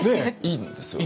いいんですよ。